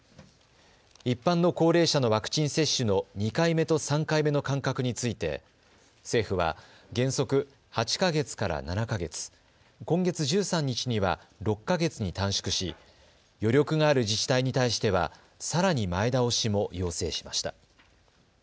一般の高齢者のワクチン接種の２回目と３回目の間隔について政府は原則、８か月から７か月、今月１３日には６か月に短縮し、余力がある自治体に対してはさらに前倒しも要請しました。